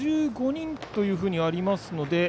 ５５人というふうにありますので。